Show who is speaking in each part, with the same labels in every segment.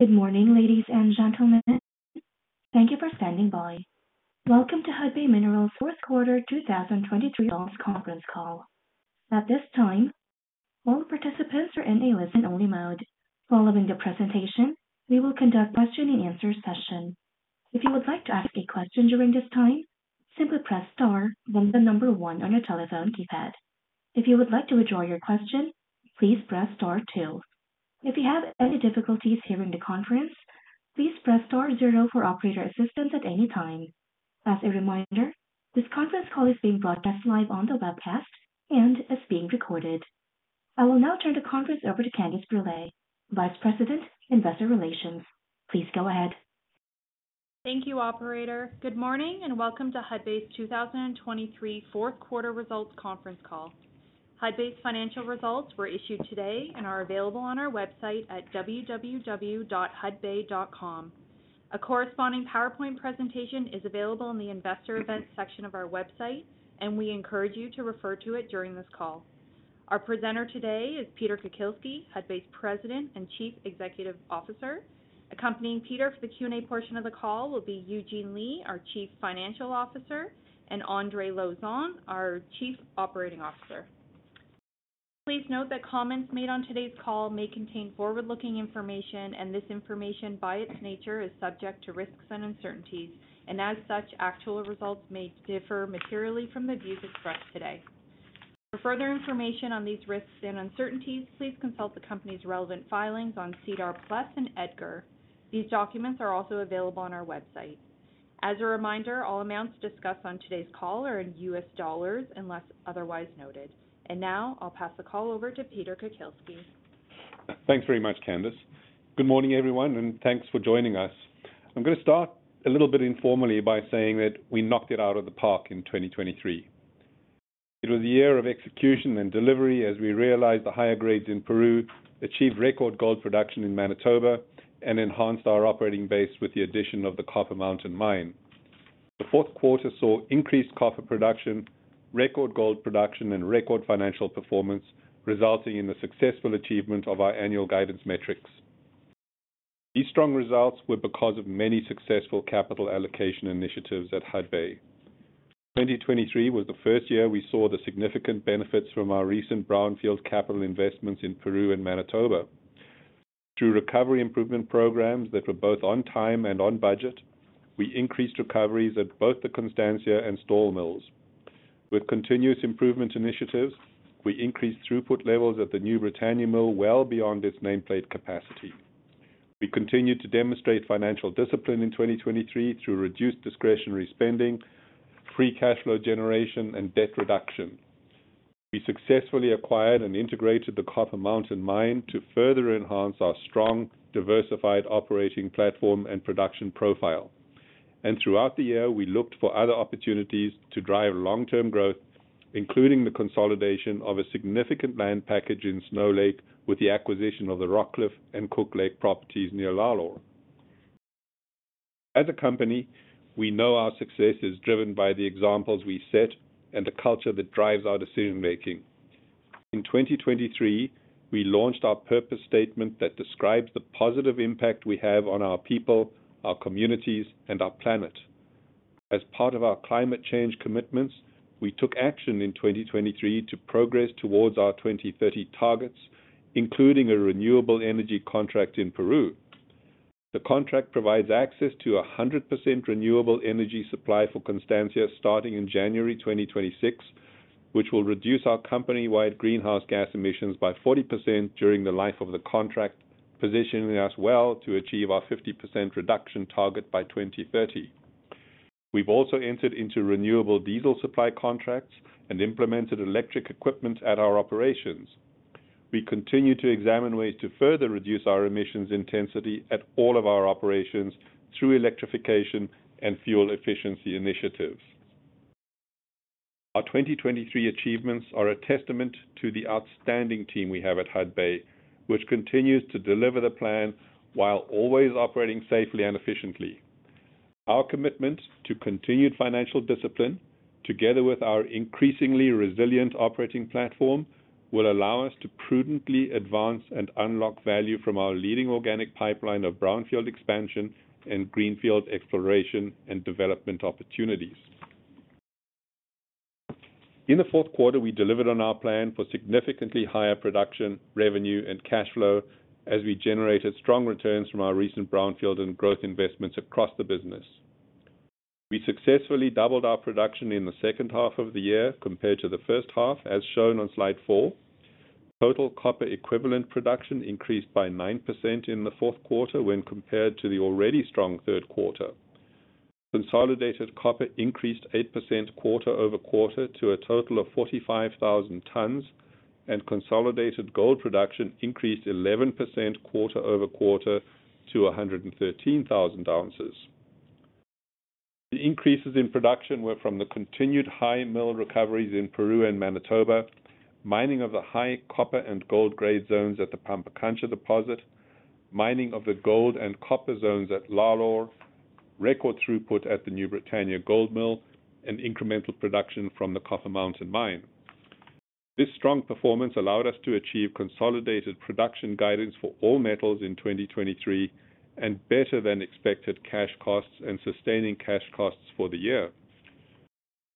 Speaker 1: Good morning, ladies and gentlemen. Thank you for standing by. Welcome to Hudbay Minerals' fourth-quarter 2023 results conference call. At this time, all participants are in a listen-only mode. Following the presentation, we will conduct a Q&A session. If you would like to ask a question during this time, simply press star then the number one on your telephone keypad. If you would like to withdraw your question, please press star two. If you have any difficulties hearing the conference, please press star zero for operator assistance at any time. As a reminder, this conference call is being broadcast live on the webcast and is being recorded. I will now turn the conference over to Candace Brule, Vice President, Investor Relations. Please go ahead.
Speaker 2: Thank you, Operator. Good morning and welcome to Hudbay's 2023 fourth-quarter results conference call. Hudbay's financial results were issued today and are available on our website at www.hudbay.com. A corresponding PowerPoint presentation is available in the Investor Events section of our website, and we encourage you to refer to it during this call. Our presenter today is Peter Kukielski, Hudbay's President and Chief Executive Officer. Accompanying Peter for the Q&A portion of the call will be Eugene Lei, our Chief Financial Officer, and André Lauzon, our Chief Operating Officer. Please note that comments made on today's call may contain forward-looking information, and this information, by its nature, is subject to risks and uncertainties, and as such, actual results may differ materially from the views expressed today. For further information on these risks and uncertainties, please consult the company's relevant filings on SEDAR+ and EDGAR. These documents are also available on our website. As a reminder, all amounts discussed on today's call are in US dollars unless otherwise noted. Now I'll pass the call over to Peter Kukielski.
Speaker 3: Thanks very much, Candace. Good morning, everyone, and thanks for joining us. I'm going to start a little bit informally by saying that we knocked it out of the park in 2023. It was a year of execution and delivery as we realized the higher grades in Peru, achieved record gold production in Manitoba, and enhanced our operating base with the addition of the Copper Mountain Mine. The fourth quarter saw increased copper production, record gold production, and record financial performance, resulting in the successful achievement of our annual guidance metrics. These strong results were because of many successful capital allocation initiatives at Hudbay. 2023 was the first year we saw the significant benefits from our recent brownfield capital investments in Peru and Manitoba. Through recovery improvement programs that were both on time and on budget, we increased recoveries at both the Constancia and Stall Mills. With continuous improvement initiatives, we increased throughput levels at the New Britannia Mill well beyond its nameplate capacity. We continued to demonstrate financial discipline in 2023 through reduced discretionary spending, free cash flow generation, and debt reduction. We successfully acquired and integrated the Copper Mountain Mine to further enhance our strong, diversified operating platform and production profile. Throughout the year, we looked for other opportunities to drive long-term growth, including the consolidation of a significant land package in Snow Lake with the acquisition of the Rockcliff and Cook Lake properties near Lalor. As a company, we know our success is driven by the examples we set and the culture that drives our decision-making. In 2023, we launched our purpose statement that describes the positive impact we have on our people, our communities, and our planet. As part of our climate change commitments, we took action in 2023 to progress towards our 2030 targets, including a renewable energy contract in Peru. The contract provides access to a 100% renewable energy supply for Constancia starting in January 2026, which will reduce our company-wide greenhouse gas emissions by 40% during the life of the contract, positioning us well to achieve our 50% reduction target by 2030. We've also entered into renewable diesel supply contracts and implemented electric equipment at our operations. We continue to examine ways to further reduce our emissions intensity at all of our operations through electrification and fuel efficiency initiatives. Our 2023 achievements are a testament to the outstanding team we have at Hudbay, which continues to deliver the plan while always operating safely and efficiently. Our commitment to continued financial discipline, together with our increasingly resilient operating platform, will allow us to prudently advance and unlock value from our leading organic pipeline of brownfield expansion and greenfield exploration and development opportunities. In the fourth quarter, we delivered on our plan for significantly higher production, revenue, and cash flow as we generated strong returns from our recent brownfield and growth investments across the business. We successfully doubled our production in the second half of the year compared to the first half, as shown on slide four. Total copper equivalent production increased by 9% in the fourth quarter when compared to the already strong third quarter. Consolidated copper increased 8% quarter-over-quarter to a total of 45,000 tonnes, and consolidated gold production increased 11% quarter-over-quarter to 113,000 ounces. The increases in production were from the continued high mill recoveries in Peru and Manitoba, mining of the high copper and gold grade zones at the Pampacancha deposit, mining of the gold and copper zones at Lalor, record throughput at the New Britannia Gold Mill, and incremental production from the Copper Mountain Mine. This strong performance allowed us to achieve consolidated production guidance for all metals in 2023 and better-than-expected cash costs and sustaining cash costs for the year.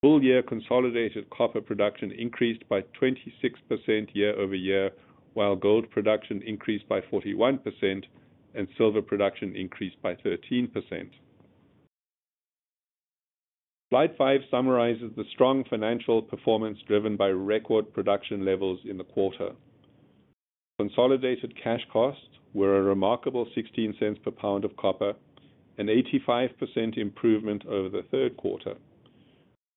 Speaker 3: Full-year consolidated copper production increased by 26% year-over-year, while gold production increased by 41% and silver production increased by 13%. Slide 5 summarizes the strong financial performance driven by record production levels in the quarter. Consolidated cash costs were a remarkable $0.16 per pound of copper, an 85% improvement over the third quarter.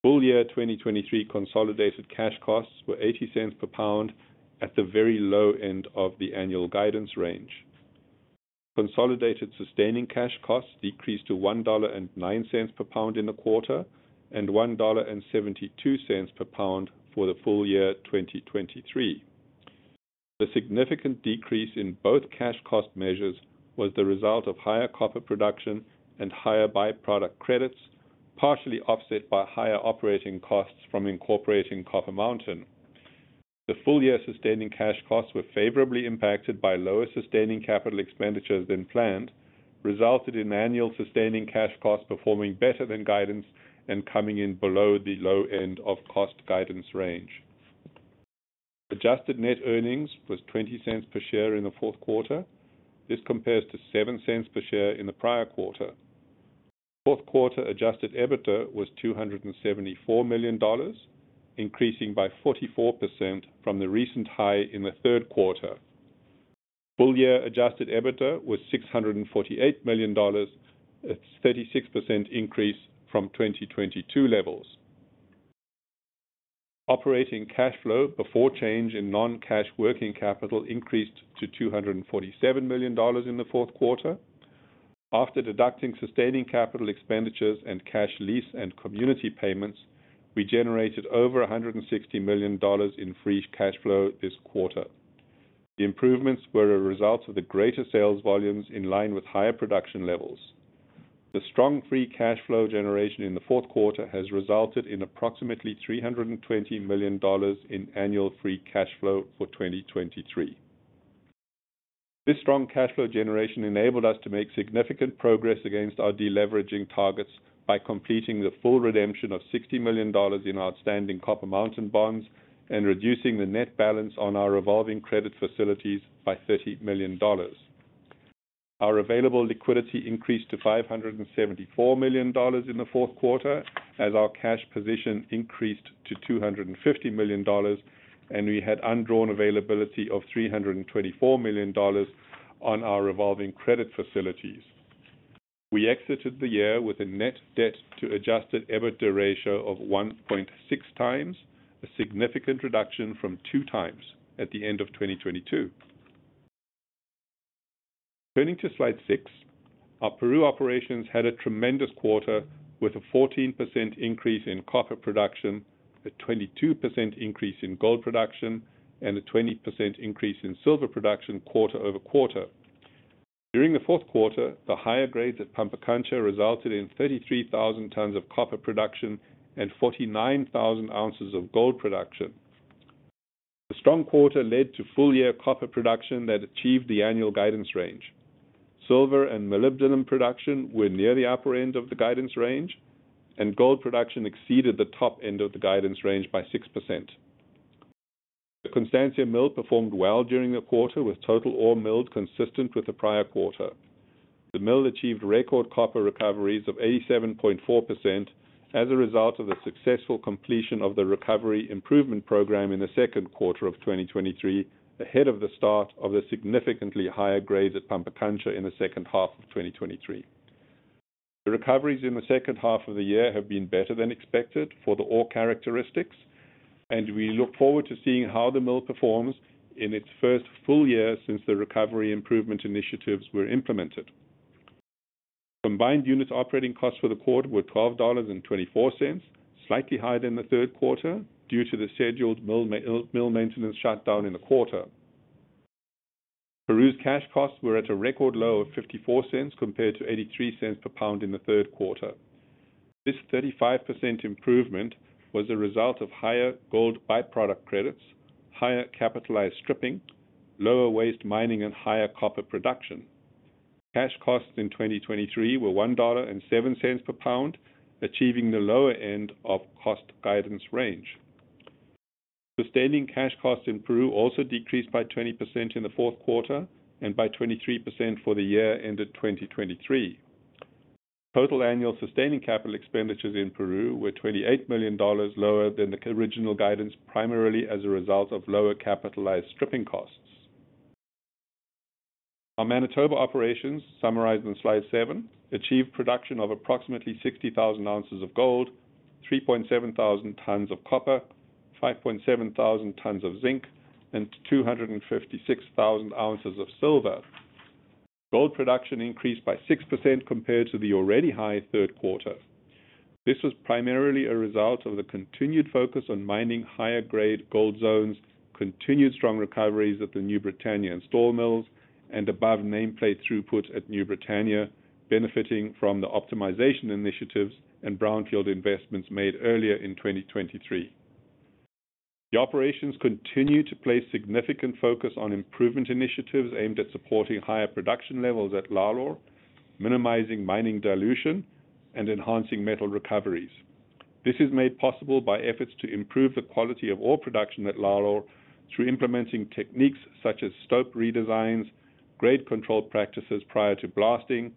Speaker 3: Full-year 2023 consolidated cash costs were $0.80 per pound at the very low end of the annual guidance range. Consolidated sustaining cash costs decreased to $1.09 per pound in the quarter and $1.72 per pound for the full year 2023. The significant decrease in both cash cost measures was the result of higher copper production and higher byproduct credits, partially offset by higher operating costs from incorporating Copper Mountain. The full-year sustaining cash costs were favorably impacted by lower sustaining capital expenditures than planned, resulting in annual sustaining cash costs performing better than guidance and coming in below the low end of cost guidance range. Adjusted net earnings were $0.20 per share in the fourth quarter. This compares to $0.07 per share in the prior quarter. Fourth-quarter adjusted EBITDA was $274 million, increasing by 44% from the recent high in the third quarter. Full-year adjusted EBITDA was $648 million, a 36% increase from 2022 levels. Operating cash flow before change in non-cash working capital increased to $247 million in the fourth quarter. After deducting sustaining capital expenditures and cash lease and community payments, we generated over $160 million in free cash flow this quarter. The improvements were a result of the greater sales volumes in line with higher production levels. The strong free cash flow generation in the fourth quarter has resulted in approximately $320 million in annual free cash flow for 2023. This strong cash flow generation enabled us to make significant progress against our deleveraging targets by completing the full redemption of $60 million in outstanding Copper Mountain bonds and reducing the net balance on our revolving credit facilities by $30 million. Our available liquidity increased to $574 million in the fourth quarter, as our cash position increased to $250 million, and we had undrawn availability of $324 million on our revolving credit facilities. We exited the year with a net debt-to-Adjusted EBITDA ratio of 1.6 times, a significant reduction from two times at the end of 2022. Turning to slide six, our Peru operations had a tremendous quarter, with a 14% increase in copper production, a 22% increase in gold production, and a 20% increase in silver production quarter-over-quarter. During the fourth quarter, the higher grades at Pampacancha resulted in 33,000 tonnes of copper production and 49,000 ounces of gold production. The strong quarter led to full-year copper production that achieved the annual guidance range. Silver and molybdenum production were near the upper end of the guidance range, and gold production exceeded the top end of the guidance range by 6%. The Constancia mill performed well during the quarter, with total ore milled consistent with the prior quarter. The mill achieved record copper recoveries of 87.4% as a result of the successful completion of the recovery improvement program in the second quarter of 2023, ahead of the start of the significantly higher grades at Pampacancha in the second half of 2023. The recoveries in the second half of the year have been better than expected for the ore characteristics, and we look forward to seeing how the mill performs in its first full year since the recovery improvement initiatives were implemented. Combined unit operating costs for the quarter were $12.24, slightly higher than the third quarter due to the scheduled mill maintenance shutdown in the quarter. Peru's cash costs were at a record low of $0.54 compared to $0.83 per pound in the third quarter. This 35% improvement was a result of higher gold byproduct credits, higher capitalized stripping, lower waste mining, and higher copper production. Cash costs in 2023 were $1.07 per pound, achieving the lower end of cost guidance range. Sustaining cash costs in Peru also decreased by 20% in the fourth quarter and by 23% for the year ended 2023. Total annual sustaining capital expenditures in Peru were $28 million lower than the original guidance, primarily as a result of lower capitalized stripping costs. Our Manitoba operations, summarized on slide seven, achieved production of approximately 60,000 ounces of gold, 3,700 tonnes of copper, 5,700 tonnes of zinc, and 256,000 ounces of silver. Gold production increased by 6% compared to the already high third quarter. This was primarily a result of the continued focus on mining higher-grade gold zones, continued strong recoveries at the New Britannia and Stall Mills, and above-nameplate throughput at New Britannia, benefiting from the optimization initiatives and brownfield investments made earlier in 2023. The operations continue to place significant focus on improvement initiatives aimed at supporting higher production levels at Lalor, minimizing mining dilution, and enhancing metal recoveries. This is made possible by efforts to improve the quality of ore production at Lalor through implementing techniques such as stope redesigns, grade control practices prior to blasting,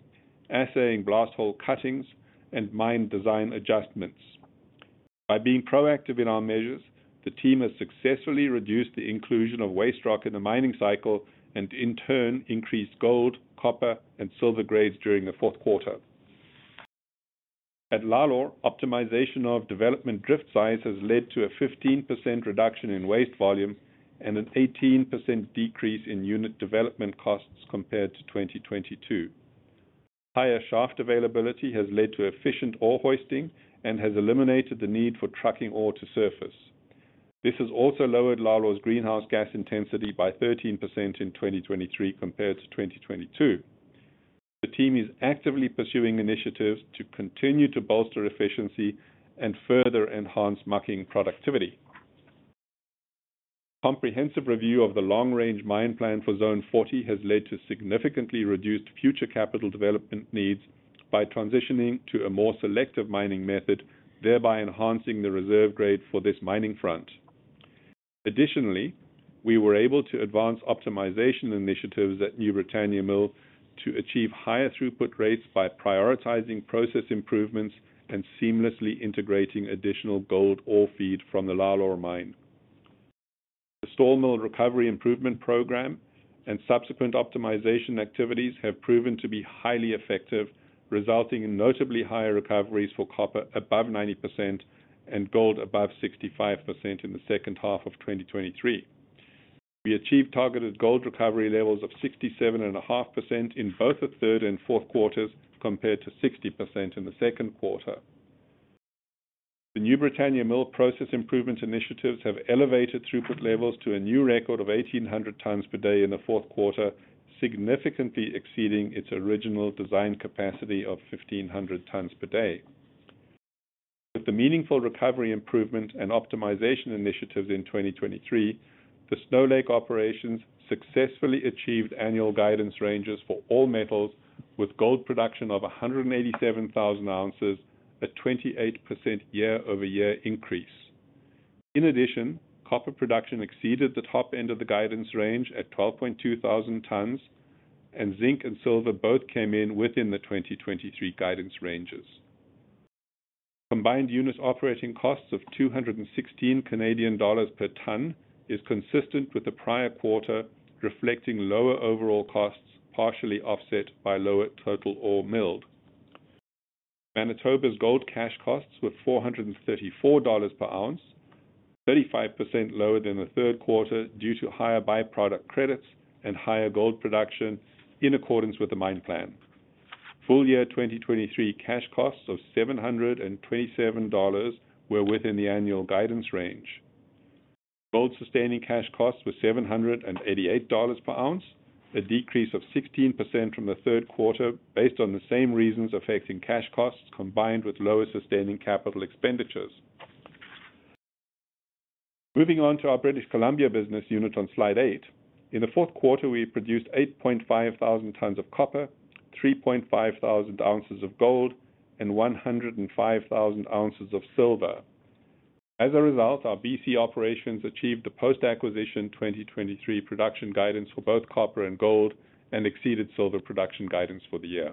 Speaker 3: assaying blast hole cuttings, and mine design adjustments. By being proactive in our measures, the team has successfully reduced the inclusion of waste rock in the mining cycle and, in turn, increased gold, copper, and silver grades during the fourth quarter. At Lalor, optimization of development drift size has led to a 15% reduction in waste volume and an 18% decrease in unit development costs compared to 2022. Higher shaft availability has led to efficient ore hoisting and has eliminated the need for trucking ore to surface. This has also lowered Lalor's greenhouse gas intensity by 13% in 2023 compared to 2022. The team is actively pursuing initiatives to continue to bolster efficiency and further enhance mucking productivity. A comprehensive review of the long-range mine plan for Zone 40 has led to significantly reduced future capital development needs by transitioning to a more selective mining method, thereby enhancing the reserve grade for this mining front. Additionally, we were able to advance optimization initiatives at New Britannia Mill to achieve higher throughput rates by prioritizing process improvements and seamlessly integrating additional gold ore feed from the Lalor mine. The Stall Mill recovery improvement program and subsequent optimization activities have proven to be highly effective, resulting in notably higher recoveries for copper above 90% and gold above 65% in the second half of 2023. We achieved targeted gold recovery levels of 67.5% in both the third and fourth quarters compared to 60% in the second quarter. The New Britannia Mill process improvement initiatives have elevated throughput levels to a new record of 1,800 tons per day in the fourth quarter, significantly exceeding its original design capacity of 1,500 tons per day. With the meaningful recovery improvement and optimization initiatives in 2023, the Snow Lake operations successfully achieved annual guidance ranges for all metals, with gold production of 187,000 ounces, a 28% year-over-year increase. In addition, copper production exceeded the top end of the guidance range at 12,200 tonnes, and zinc and silver both came in within the 2023 guidance ranges. Combined unit operating costs of 216 Canadian dollars per tonne are consistent with the prior quarter, reflecting lower overall costs partially offset by lower total ore milled. Manitoba's gold cash costs were 434 dollars per ounce, 35% lower than the third quarter due to higher byproduct credits and higher gold production in accordance with the mine plan. Full-year 2023 cash costs of 727 dollars were within the annual guidance range. Gold sustaining cash costs were $788 per ounce, a decrease of 16% from the third quarter based on the same reasons affecting cash costs combined with lower sustaining capital expenditures. Moving on to our British Columbia business unit on slide eight, in the fourth quarter, we produced 8,500 tonnes of copper, 3,500 ounces of gold, and 105,000 ounces of silver. As a result, our BC operations achieved the post-acquisition 2023 production guidance for both copper and gold and exceeded silver production guidance for the year.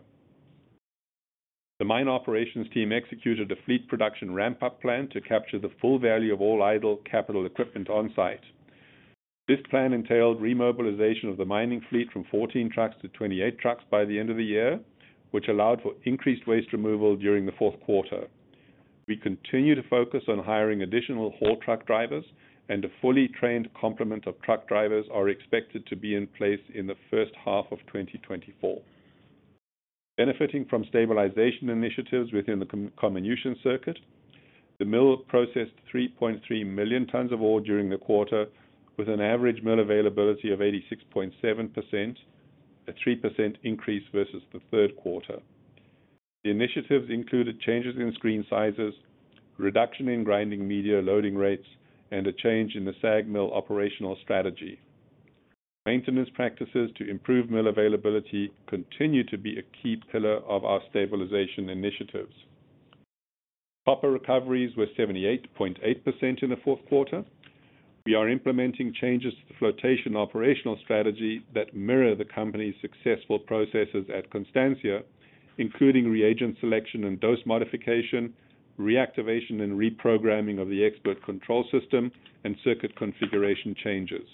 Speaker 3: The mine operations team executed a fleet production ramp-up plan to capture the full value of all idle capital equipment on-site. This plan entailed remobilization of the mining fleet from 14 trucks to 28 trucks by the end of the year, which allowed for increased waste removal during the fourth quarter. We continue to focus on hiring additional haul truck drivers, and a fully trained complement of truck drivers is expected to be in place in the first half of 2024. Benefiting from stabilization initiatives within the comminution circuit, the mill processed 3.3 million tonnes of ore during the quarter, with an average mill availability of 86.7%, a 3% increase versus the third quarter. The initiatives included changes in screen sizes, reduction in grinding media loading rates, and a change in the SAG Mill operational strategy. Maintenance practices to improve mill availability continue to be a key pillar of our stabilization initiatives. Copper recoveries were 78.8% in the fourth quarter. We are implementing changes to the flotation operational strategy that mirror the company's successful processes at Constancia, including reagent selection and dose modification, reactivation and reprogramming of the expert control system, and circuit configuration changes.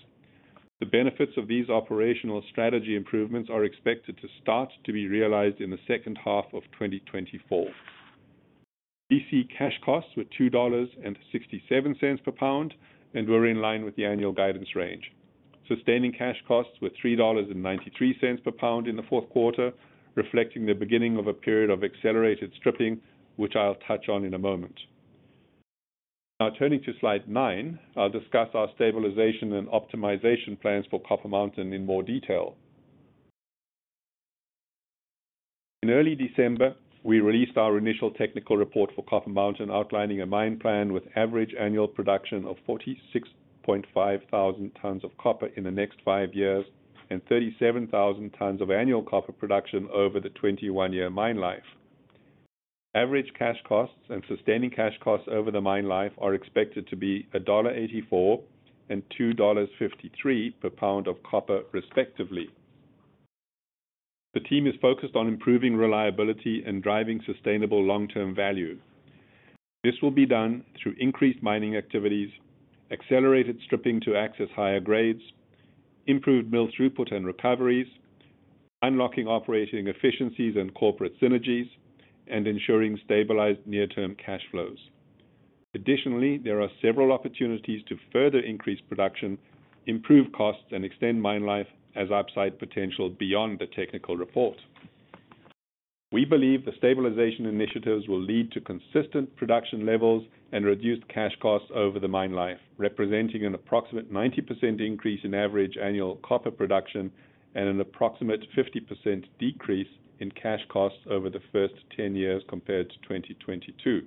Speaker 3: The benefits of these operational strategy improvements are expected to start to be realized in the second half of 2024. BC cash costs were $2.67 per pound and were in line with the annual guidance range. Sustaining cash costs were $3.93 per pound in the fourth quarter, reflecting the beginning of a period of accelerated stripping, which I will touch on in a moment. Now, turning to slide nine, I will discuss our stabilization and optimization plans for Copper Mountain in more detail. In early December, we released our initial technical report for Copper Mountain, outlining a mine plan with average annual production of 46,500 tonnes of copper in the next five years and 37,000 tonnes of annual copper production over the 21-year mine life. Average cash costs and sustaining cash costs over the mine life are expected to be $1.84 and $2.53 per pound of copper, respectively. The team is focused on improving reliability and driving sustainable long-term value. This will be done through increased mining activities, accelerated stripping to access higher grades, improved mill throughput and recoveries, unlocking operating efficiencies and corporate synergies, and ensuring stabilized near-term cash flows. Additionally, there are several opportunities to further increase production, improve costs, and extend mine life as I have cited potential beyond the technical report. We believe the stabilization initiatives will lead to consistent production levels and reduced cash costs over the mine life, representing an approximate 90% increase in average annual copper production and an approximate 50% decrease in cash costs over the first 10 years compared to 2022.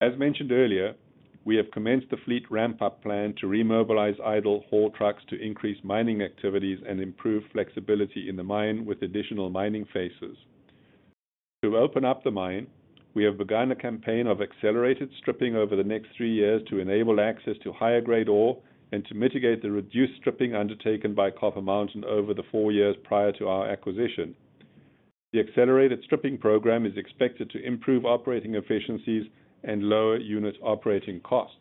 Speaker 3: As mentioned earlier, we have commenced the fleet ramp-up plan to remobilized idle haul trucks to increase mining activities and improve flexibility in the mine with additional mining faces. To open up the mine, we have begun a campaign of accelerated stripping over the next three years to enable access to higher-grade ore and to mitigate the reduced stripping undertaken by Copper Mountain over the four years prior to our acquisition. The accelerated stripping program is expected to improve operating efficiencies and lower unit operating costs.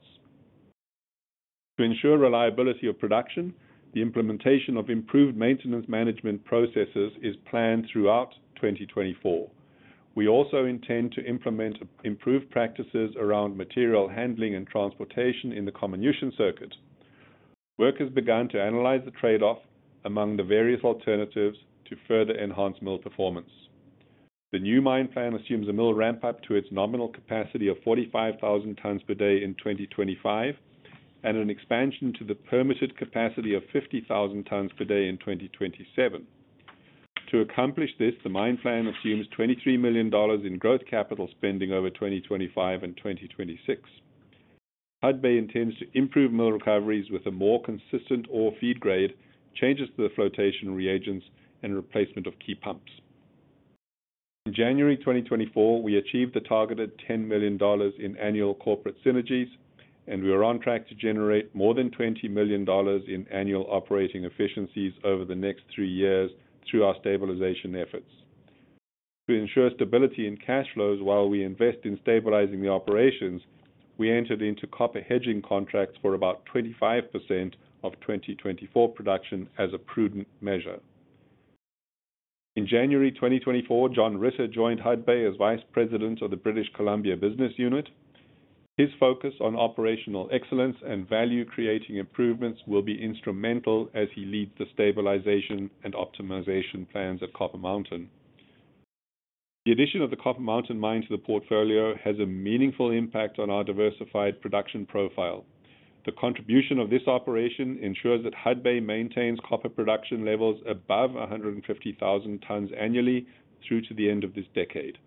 Speaker 3: To ensure reliability of production, the implementation of improved maintenance management processes is planned throughout 2024. We also intend to implement improved practices around material handling and transportation in the comminution circuit. Work has begun to analyze the trade-off among the various alternatives to further enhance mill performance. The new mine plan assumes a mill ramp-up to its nominal capacity of 45,000 tonnes per day in 2025 and an expansion to the permitted capacity of 50,000 tonnes per day in 2027. To accomplish this, the mine plan assumes $23 million in growth capital spending over 2025 and 2026. Hudbay intends to improve mill recoveries with a more consistent ore feed grade, changes to the flotation reagents, and replacement of key pumps. In January 2024, we achieved the targeted $10 million in annual corporate synergies, and we are on track to generate more than $20 million in annual operating efficiencies over the next three years through our stabilization efforts. To ensure stability in cash flows while we invest in stabilizing the operations, we entered into copper hedging contracts for about 25% of 2024 production as a prudent measure. In January 2024, John Ritter joined Hudbay as Vice President of the British Columbia Business Unit. His focus on operational excellence and value-creating improvements will be instrumental as he leads the stabilization and optimization plans at Copper Mountain. The addition of the Copper Mountain Mine to the portfolio has a meaningful impact on our diversified production profile. The contribution of this operation ensures that Hudbay maintains copper production levels above 150,000 tonnes annually through to the end of this decade.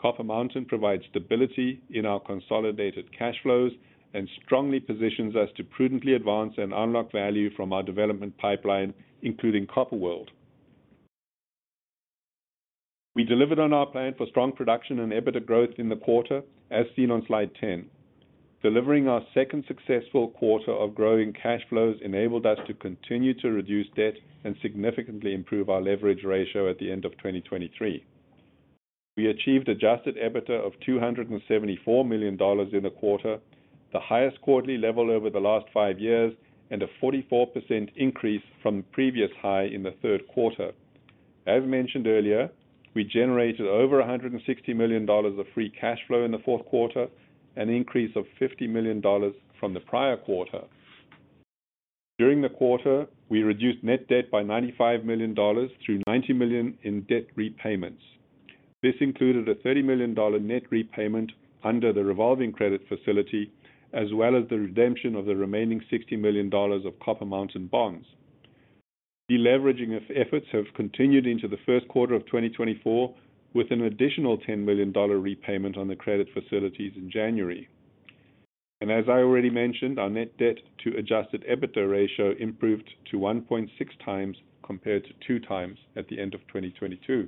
Speaker 3: Copper Mountain provides stability in our consolidated cash flows and strongly positions us to prudently advance and unlock value from our development pipeline, including Copper World. We delivered on our plan for strong production and EBITDA growth in the quarter, as seen on slide 10. Delivering our second successful quarter of growing cash flows enabled us to continue to reduce debt and significantly improve our leverage ratio at the end of 2023. We achieved adjusted EBITDA of $274 million in the quarter, the highest quarterly level over the last five years, and a 44% increase from the previous high in the third quarter. As mentioned earlier, we generated over $160 million of free cash flow in the fourth quarter, an increase of $50 million from the prior quarter. During the quarter, we reduced net debt by $95 million through $90 million in debt repayments. This included a $30 million net repayment under the revolving credit facility, as well as the redemption of the remaining $60 million of Copper Mountain bonds. The leveraging efforts have continued into the first quarter of 2024, with an additional $10 million repayment on the credit facilities in January. As I already mentioned, our net debt-to-Adjusted EBITDA ratio improved to 1.6x compared to two times at the end of 2022.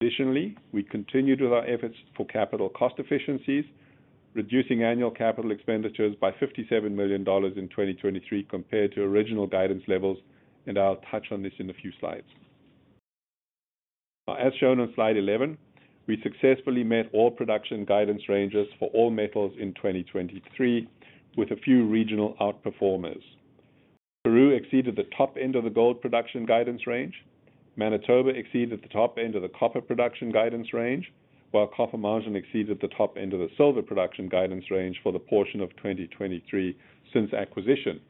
Speaker 3: Additionally, we continued with our efforts for capital cost efficiencies, reducing annual capital expenditures by $57 million in 2023 compared to original guidance levels, and I will touch on this in a few slides. Now, as shown on Slide 11, we successfully met all production guidance ranges for all metals in 2023, with a few regional outperformers. Peru exceeded the top end of the gold production guidance range. Manitoba exceeded the top end of the copper production guidance range, while Copper Mountain exceeded the top end of the silver production guidance range for the portion of 2023 since acquisition.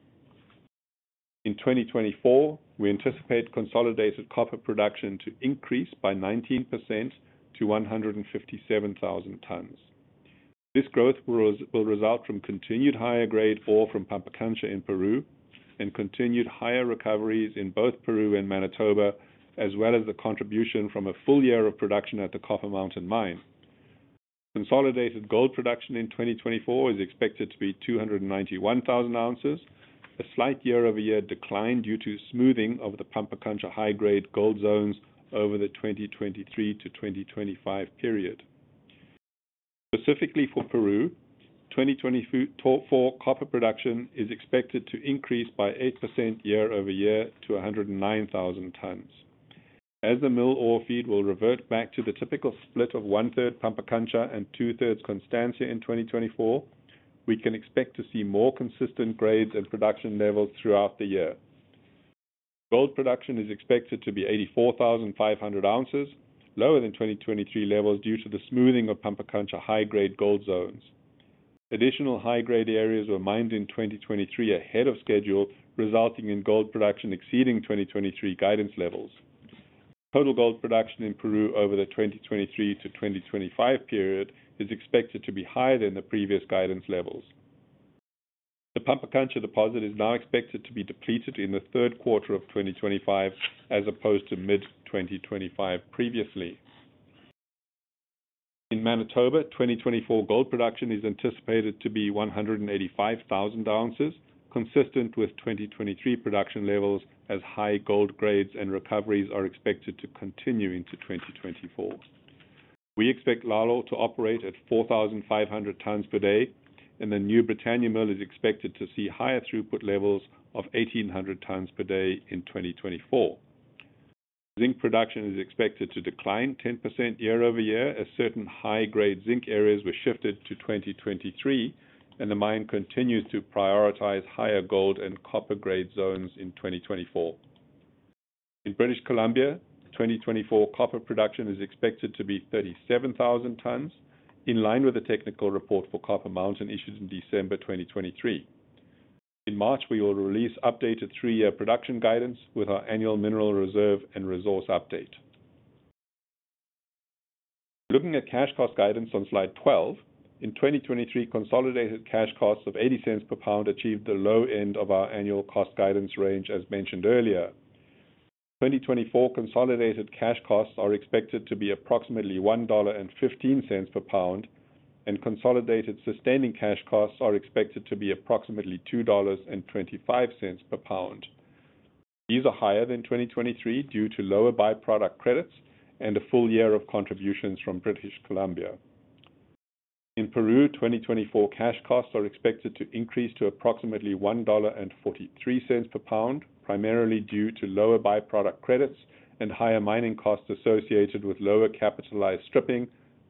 Speaker 3: In 2024, we anticipate consolidated copper production to increase by 19% to 157,000 tonnes. This growth will result from continued higher-grade ore from Pampacancha in Peru and continued higher recoveries in both Peru and Manitoba, as well as the contribution from a full year of production at the Copper Mountain mine. Consolidated gold production in 2024 is expected to be 291,000 ounces, a slight year-over-year decline due to smoothing of the Pampacancha high-grade gold zones over the 2023 to 2025 period. Specifically for Peru, 2024 copper production is expected to increase by 8% year-over-year to 109,000 tons. As the mill ore feed will revert back to the typical split of one-third Pampacancha and two-thirds Constancia in 2024, we can expect to see more consistent grades and production levels throughout the year. Gold production is expected to be 84,500 ounces, lower than 2023 levels due to the smoothing of Pampacancha high-grade gold zones. Additional high-grade areas were mined in 2023 ahead of schedule, resulting in gold production exceeding 2023 guidance levels. Total gold production in Peru over the 2023 to 2025 period is expected to be higher than the previous guidance levels. The Pampacancha deposit is now expected to be depleted in the third quarter of 2025, as opposed to mid-2025 previously. In Manitoba, 2024 gold production is anticipated to be 185,000 ounces, consistent with 2023 production levels, as high gold grades and recoveries are expected to continue into 2024. We expect Lalor to operate at 4,500 tonnes per day, and the New Britannia mill is expected to see higher throughput levels of 1,800 tonnes per day in 2024. Zinc production is expected to decline 10% year-over-year as certain high-grade zinc areas were shifted to 2023, and the mine continues to prioritize higher gold and copper-grade zones in 2024. In British Columbia, 2024 copper production is expected to be 37,000 tonnes, in line with the technical report for Copper Mountain issued in December 2023. In March, we will release updated three-year production guidance with our annual mineral reserve and resource update. Looking at cash cost guidance on slide 12, in 2023, consolidated cash costs of $0.80 per pound achieved the low end of our annual cost guidance range, as mentioned earlier. 2024 consolidated cash costs are expected to be approximately $1.15 per pound, and consolidated sustaining cash costs are expected to be approximately $2.25 per pound. These are higher than 2023 due to lower byproduct credits and a full year of contributions from British Columbia. In Peru, 2024 cash costs are expected to increase to approximately $1.43 per pound, primarily due to lower byproduct credits and higher mining costs associated with lower capitalized stripping,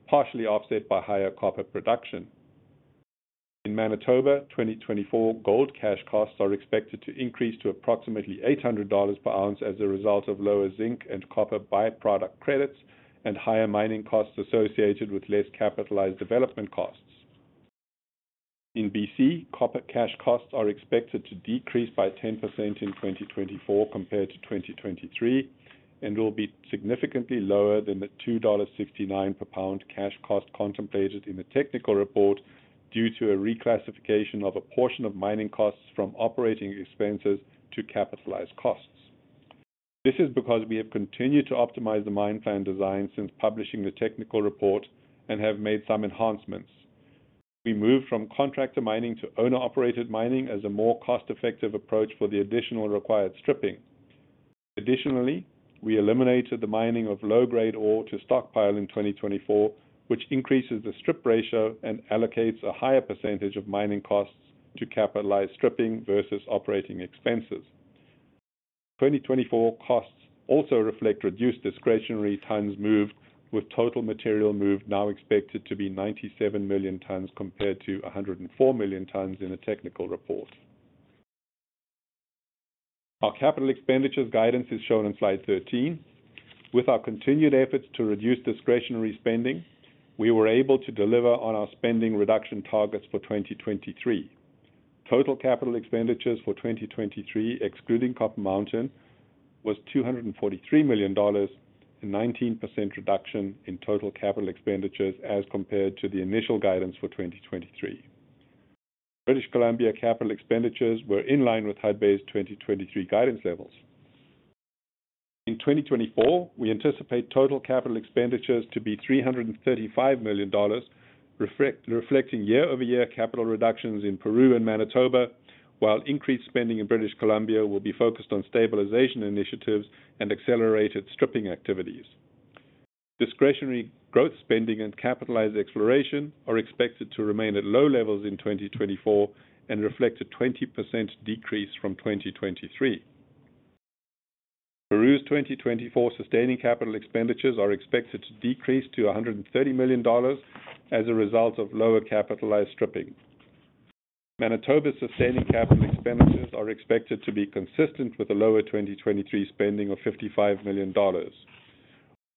Speaker 3: partially offset by higher copper production. In Manitoba, 2024 gold cash costs are expected to increase to approximately $800 per ounce as a result of lower zinc and copper byproduct credits and higher mining costs associated with less capitalized development costs. In BC, copper cash costs are expected to decrease by 10% in 2024 compared to 2023 and will be significantly lower than the $2.69 per pound cash cost contemplated in the technical report due to a reclassification of a portion of mining costs from operating expenses to capitalized costs. This is because we have continued to optimize the mine plan design since publishing the technical report and have made some enhancements. We moved from contractor mining to owner-operated mining as a more cost-effective approach for the additional required stripping. Additionally, we eliminated the mining of low-grade ore to stockpile in 2024, which increases the strip ratio and allocates a higher percentage of mining costs to capitalized stripping versus operating expenses. 2024 costs also reflect reduced discretionary tonnes moved, with total material moved now expected to be 97 million tonnes compared to 104 million tonnes in the technical report. Our capital expenditures guidance is shown on slide 13. With our continued efforts to reduce discretionary spending, we were able to deliver on our spending reduction targets for 2023. Total capital expenditures for 2023, excluding Copper Mountain, was $243 million, a 19% reduction in total capital expenditures as compared to the initial guidance for 2023. British Columbia capital expenditures were in line with Hudbay's 2023 guidance levels. In 2024, we anticipate total capital expenditures to be $335 million, reflecting year-over-year capital reductions in Peru and Manitoba, while increased spending in British Columbia will be focused on stabilization initiatives and accelerated stripping activities. Discretionary growth spending and capitalized exploration are expected to remain at low levels in 2024 and reflect a 20% decrease from 2023. Peru's 2024 sustaining capital expenditures are expected to decrease to $130 million as a result of lower capitalized stripping. Manitoba's sustaining capital expenditures are expected to be consistent with a lower 2023 spending of $55 million.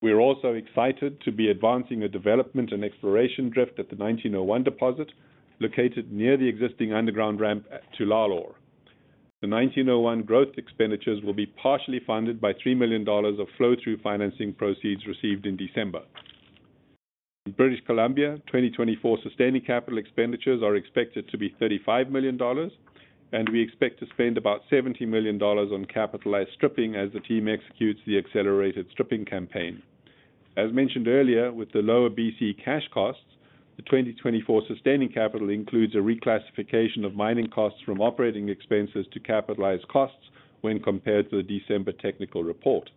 Speaker 3: We are also excited to be advancing a development and exploration drift at the 1901 deposit located near the existing underground ramp to Lalor. The 1901 growth expenditures will be partially funded by $3 million of flow-through financing proceeds received in December. In British Columbia, 2024 sustaining capital expenditures are expected to be $35 million, and we expect to spend about $70 million on capitalized stripping as the team executes the accelerated stripping campaign. As mentioned earlier, with the lower BC cash costs, the 2024 sustaining capital includes a reclassification of mining costs from operating expenses to capitalized costs when compared to the December technical report.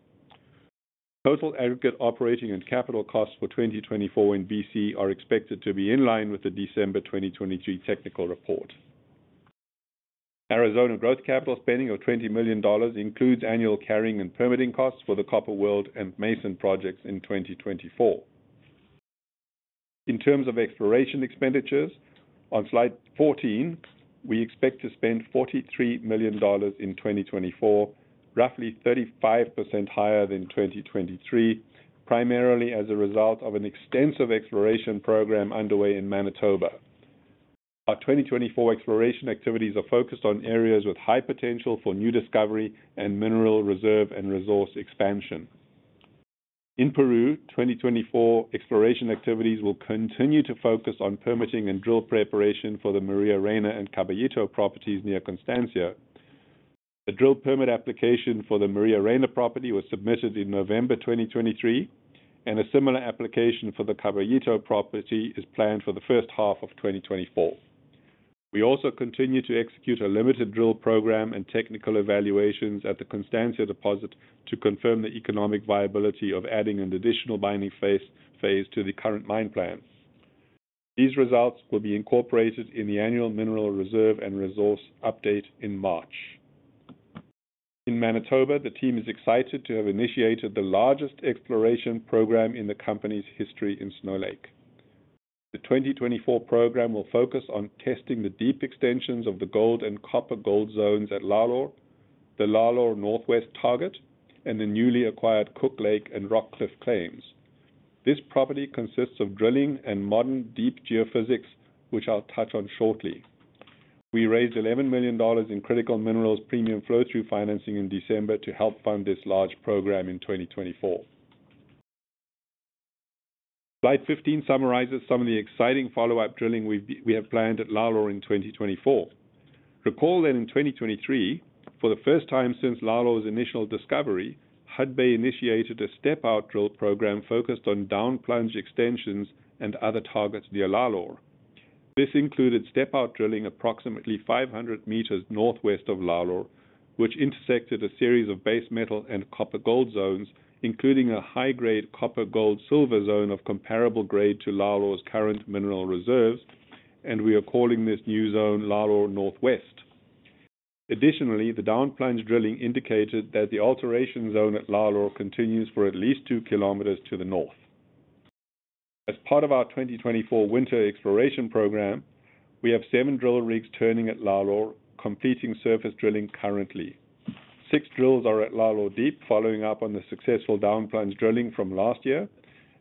Speaker 3: Total aggregate operating and capital costs for 2024 in BC are expected to be in line with the December 2023 technical report. Arizona growth capital spending of $20 million includes annual carrying and permitting costs for the Copper World and Mason projects in 2024. In terms of exploration expenditures, on slide 14, we expect to spend $43 million in 2024, roughly 35% higher than 2023, primarily as a result of an extensive exploration program underway in Manitoba. Our 2024 exploration activities are focused on areas with high potential for new discovery and mineral reserve and resource expansion. In Peru, 2024 exploration activities will continue to focus on permitting and drill preparation for the Maria Reyna and Caballito properties near Constancia. A drill permit application for the Maria Reyna property was submitted in November 2023, and a similar application for the Caballito property is planned for the first half of 2024. We also continue to execute a limited drill program and technical evaluations at the Constancia deposit to confirm the economic viability of adding an additional mining phase to the current mine plan. These results will be incorporated in the annual mineral reserve and resource update in March. In Manitoba, the team is excited to have initiated the largest exploration program in the company's history in Snow Lake. The 2024 program will focus on testing the deep extensions of the gold and copper gold zones at Lalor, the Lalor Northwest target, and the newly acquired Cook Lake and Rockcliff claims. This property consists of drilling and modern deep geophysics, which I will touch on shortly. We raised $11 million in critical minerals premium flow-through financing in December to help fund this large program in 2024. Slide 15 summarizes some of the exciting follow-up drilling we have planned at Lalor in 2024. Recall that in 2023, for the first time since Lalor's initial discovery, Hudbay initiated a step-out drill program focused on downplunge extensions and other targets near Lalor. This included step-out drilling approximately 500 meters northwest of Lalor, which intersected a series of base metal and copper gold zones, including a high-grade copper gold-silver zone of comparable grade to Lalor's current mineral reserves, and we are calling this new zone Lalor Northwest. Additionally, the downplunge drilling indicated that the alteration zone at Lalor continues for at least 2 kms to the north. As part of our 2024 winter exploration program, we have seven drill rigs turning at Lalor, completing surface drilling currently. Six drills are at Lalor deep, following up on the successful downplunge drilling from last year,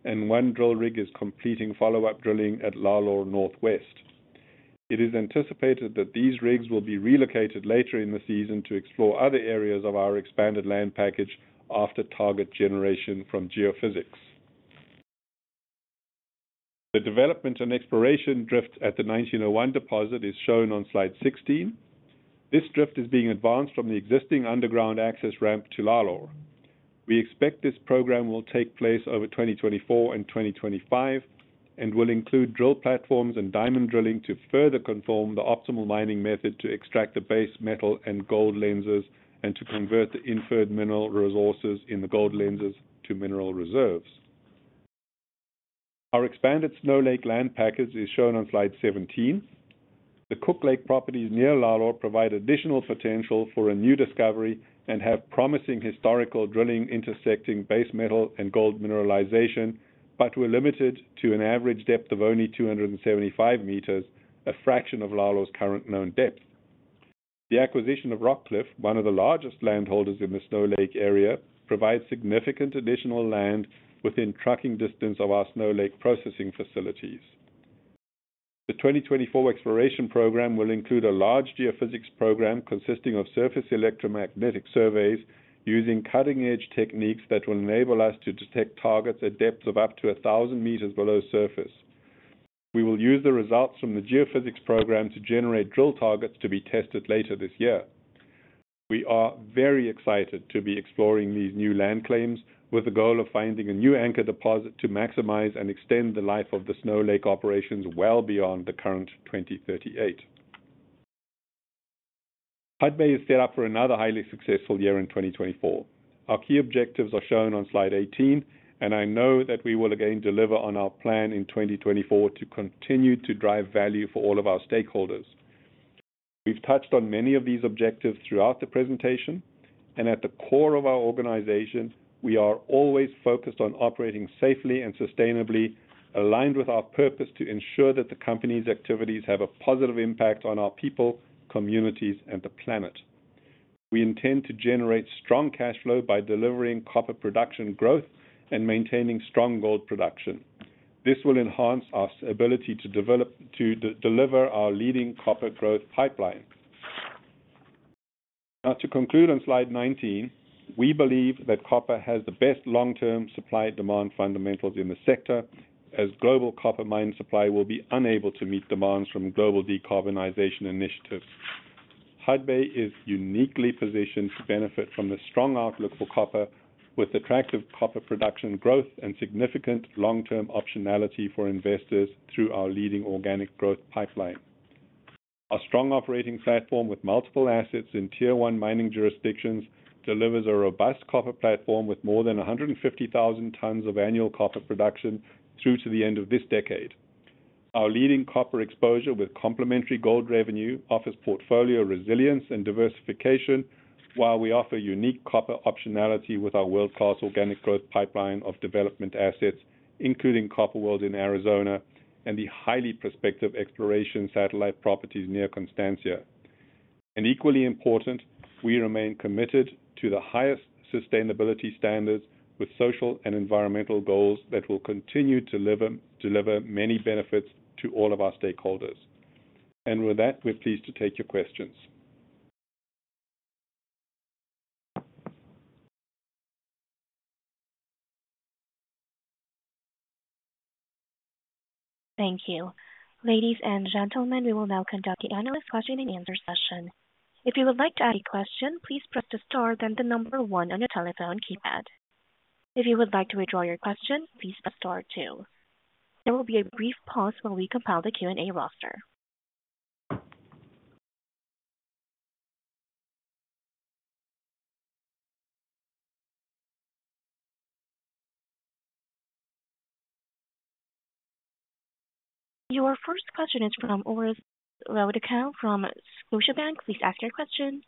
Speaker 3: and one drill rig is completing follow-up drilling at Lalor Northwest. It is anticipated that these rigs will be relocated later in the season to explore other areas of our expanded land package after target generation from geophysics. The development and exploration drift at the 1901 deposit is shown on slide 16. This drift is being advanced from the existing underground access ramp to Lalor. We expect this program will take place over 2024 and 2025 and will include drill platforms and diamond drilling to further confirm the optimal mining method to extract the base metal and gold lenses and to convert the inferred mineral resources in the gold lenses to mineral reserves. Our expanded Snow Lake land package is shown on slide 17. The Cook Lake properties near Lalor provide additional potential for a new discovery and have promising historical drilling intersecting base metal and gold mineralization, but were limited to an average depth of only 275 meters, a fraction of Lalor's current known depth. The acquisition of Rockcliff, one of the largest landholders in the Snow Lake area, provides significant additional land within trucking distance of our Snow Lake processing facilities. The 2024 exploration program will include a large geophysics program consisting of surface electromagnetic surveys using cutting-edge techniques that will enable us to detect targets at depths of up to 1,000 meters below surface. We will use the results from the geophysics program to generate drill targets to be tested later this year. We are very excited to be exploring these new land claims with the goal of finding a new anchor deposit to maximize and extend the life of the Snow Lake operations well beyond the current 2038. Hudbay is set up for another highly successful year in 2024. Our key objectives are shown on Slide 18, and I know that we will again deliver on our plan in 2024 to continue to drive value for all of our stakeholders. We have touched on many of these objectives throughout the presentation, and at the core of our organization, we are always focused on operating safely and sustainably, aligned with our purpose to ensure that the company's activities have a positive impact on our people, communities, and the planet. We intend to generate strong cash flow by delivering copper production growth and maintaining strong gold production. This will enhance our ability to deliver our leading copper growth pipeline. Now, to conclude on slide 19, we believe that copper has the best long-term supply-demand fundamentals in the sector, as global copper mine supply will be unable to meet demands from global decarbonization initiatives. Hudbay is uniquely positioned to benefit from the strong outlook for copper, with attractive copper production growth and significant long-term optionality for investors through our leading organic growth pipeline. Our strong operating platform with multiple assets in Tier 1 mining jurisdictions delivers a robust copper platform with more than 150,000 tonnes of annual copper production through to the end of this decade. Our leading copper exposure with complementary gold revenue offers portfolio resilience and diversification, while we offer unique copper optionality with our world-class organic growth pipeline of development assets, including Copper World in Arizona and the highly prospective exploration satellite properties near Constancia. And equally important, we remain committed to the highest sustainability standards with social and environmental goals that will continue to deliver many benefits to all of our stakeholders. And with that, we're pleased to take your questions.
Speaker 1: Thank you. Ladies and gentlemen, we will now conduct the analyst question-and-answer session. If you would like to add a question, please press the star then the number one on your telephone keypad. If you would like to withdraw your question, please press star two. There will be a brief pause while we compile the Q&A roster. Your first question is from Orest Wowkodaw from Scotiabank. Please ask your question.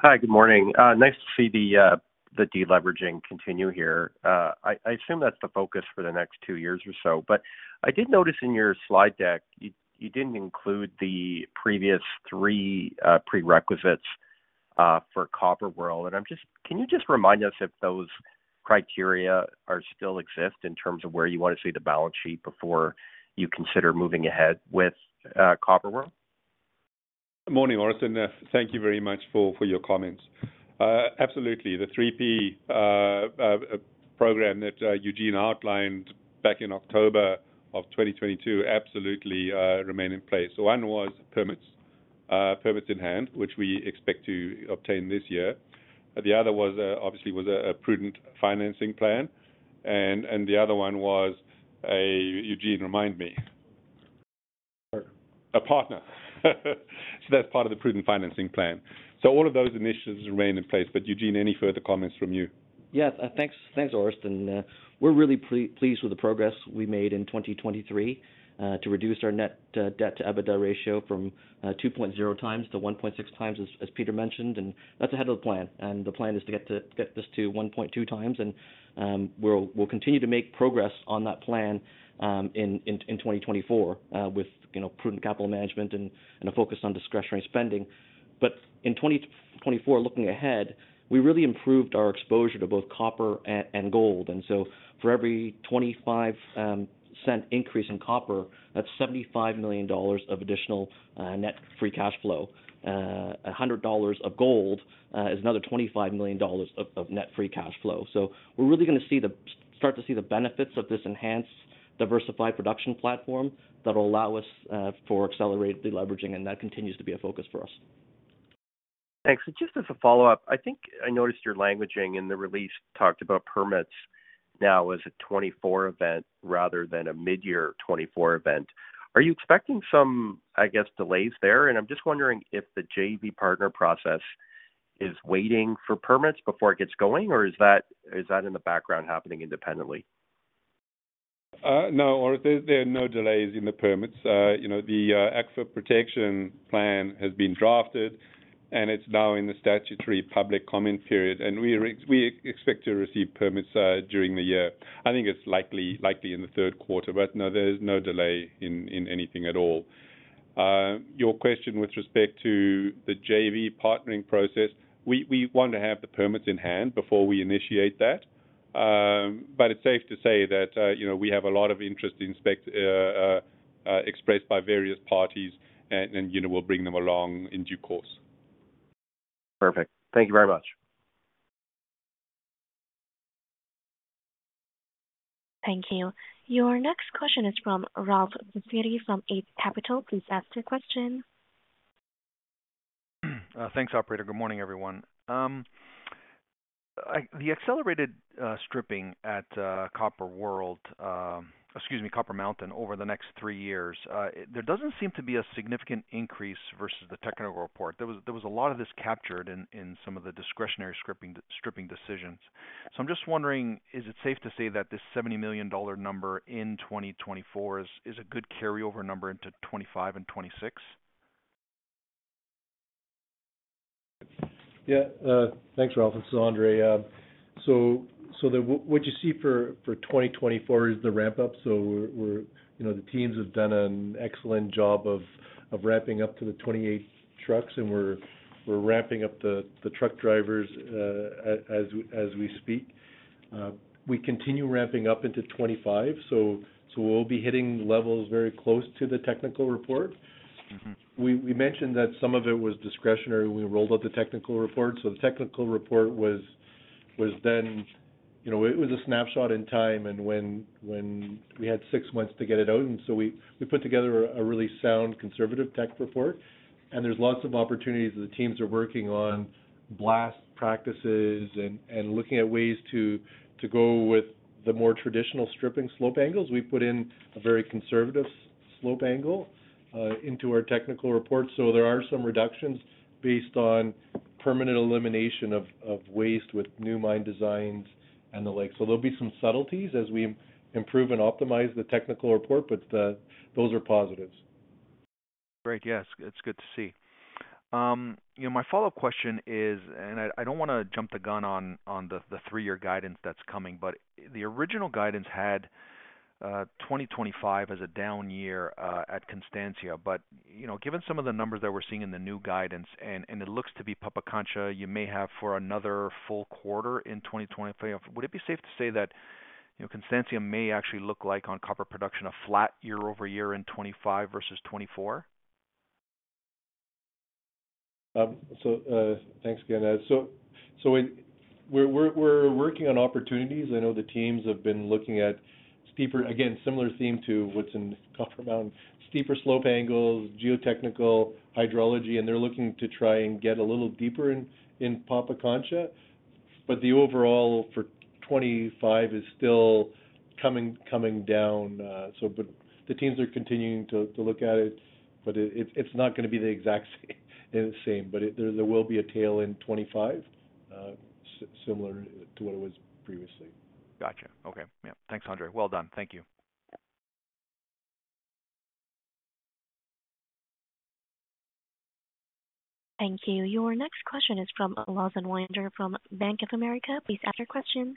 Speaker 4: Hi, good morning. Nice to see the deleveraging continue here. I assume that's the focus for the next two years or so. But I did notice in your slide deck you didn't include the previous three prerequisites for Copper World. Can you just remind us if those criteria still exist in terms of where you want to see the balance sheet before you consider moving ahead with Copper World?
Speaker 3: Good morning, Orest in there. Thank you very much for your comments. Absolutely. The 3-P program that Eugene outlined back in October of 2022 absolutely remain in place. One was permits, permits in hand, which we expect to obtain this year. The other obviously was a prudent financing plan. The other one was a Eugene, remind me. A partner. So that's part of the prudent financing plan. So all of those initiatives remain in place. But Eugene, any further comments from you?
Speaker 5: Yes, thanks, Orest. We're really pleased with the progress we made in 2023 to reduce our net debt to EBITDA ratio from 2.0 times to 1.6 times, as Peter mentioned. That's ahead of the plan. The plan is to get this to 1.2 times. We'll continue to make progress on that plan in 2024 with prudent capital management and a focus on discretionary spending. But in 2024, looking ahead, we really improved our exposure to both copper and gold. So for every 0.25-cent increase in copper, that's $75 million of additional net free cash flow. $100 of gold is another $25 million of net free cash flow. So we're really going to start to see the benefits of this enhanced, diversified production platform that will allow us for accelerated deleveraging. That continues to be a focus for us.
Speaker 4: Thanks. Just as a follow-up, I think I noticed your languaging in the release talked about permits now as a 2024 event rather than a mid-year 2024 event. Are you expecting some, I guess, delays there? I'm just wondering if the JEV partner process is waiting for permits before it gets going, or is that in the background happening independently?
Speaker 3: No, Orest, there are no delays in the permits. The Aquifer protection plan has been drafted, and it's now in the statutory public comment period. And we expect to receive permits during the year. I think it's likely in the third quarter. But no, there's no delay in anything at all. Your question with respect to the JV partnering process, we want to have the permits in hand before we initiate that. But it's safe to say that we have a lot of interest expressed by various parties, and we'll bring them along in due course.
Speaker 4: Perfect. Thank you very much.
Speaker 1: Thank you. Your next question is from Ralph Profiti from Eight Capital. Please ask your question.
Speaker 6: Thanks, Operator. Good morning, everyone. The accelerated stripping at Copper World—excuse me, Copper Mountain—over the next three years, there doesn't seem to be a significant increase versus the technical report. There was a lot of this captured in some of the discretionary stripping decisions. So I'm just wondering, is it safe to say that this $70 million number in 2024 is a good carryover number into 2025 and 2026?
Speaker 7: Yeah, thanks, Ralph. This is André. So what you see for 2024 is the ramp-up. So the teams have done an excellent job of ramping up to the 28 trucks, and we're ramping up the truck drivers as we speak. We continue ramping up into 2025, so we'll be hitting levels very close to the technical report. We mentioned that some of it was discretionary when we rolled out the technical report. So the technical report was then it was a snapshot in time and when we had six months to get it out. And so we put together a really sound conservative tech report. And there's lots of opportunities that the teams are working on blast practices and looking at ways to go with the more traditional stripping slope angles. We put in a very conservative slope angle into our technical report. So there are some reductions based on permanent elimination of waste with new mine designs and the like. So there'll be some subtleties as we improve and optimize the technical report, but those are positives.
Speaker 6: Great. Yes, it's good to see. My follow-up question is and I don't want to jump the gun on the three-year guidance that's coming. But the original guidance had 2025 as a down year at Constancia. But given some of the numbers that we're seeing in the new guidance, and it looks to be Pampacancha, you may have for another full quarter in 2025. Would it be safe to say that Constancia may actually look like on copper production a flat year-over-year in 2025 versus 2024?
Speaker 7: So thanks, Candace. So we're working on opportunities. I know the teams have been looking at steeper again, similar theme to what's in Copper Mountain. Steeper slope angles, geotechnical, hydrology. And they're looking to try and get a little deeper in Pampacancha. But the overall for 2025 is still coming down. But the teams are continuing to look at it. But it's not going to be the exact same. But there will be a tail in 2025 similar to what it was previously.
Speaker 6: Gotcha. Okay. Yeah, thanks, André. Well done. Thank you.
Speaker 1: Thank you. Your next question is from Lawson Winder from Bank of America. Please ask your question.